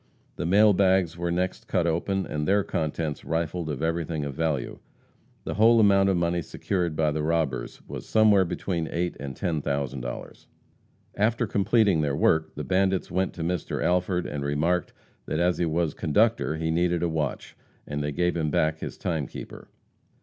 The mail bags were next cut open and their contents rifled of everything of value. The whole amount of money secured by the robbers was somewhere between eight and ten thousand dollars. After completing their work the bandits went to Mr. Alford and remarked that as he was conductor he needed a watch, and they gave him back his timekeeper.